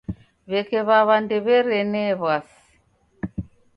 W'eke W'aw'a ndew'erenee w'asi.